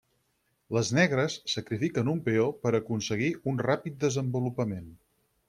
Les negres sacrifiquen un peó per aconseguir un ràpid desenvolupament.